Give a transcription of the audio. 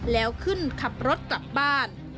แล้วขึ้นขับรถกลับบ้าน